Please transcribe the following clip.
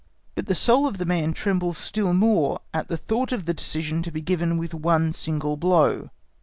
But the soul of the man trembles still more at the thought of the decision to be given with one single blow.